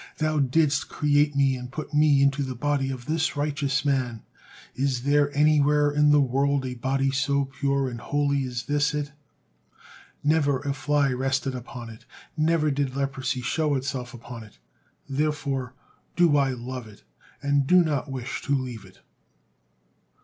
Thou didst create me and put me into the body of this righteous man. Is there anywhere in the world a body so pure and holy as this it? Never a fly rested upon it, never did leprosy show itself upon it. Therefore do I love it, and do not wish to leave it."